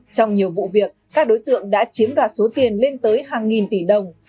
trong nhiều vụ việc các đối tượng đã chiếm đoạt số tiền lên tới hàng nghìn tỷ đồng